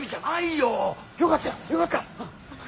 よかったよよかった。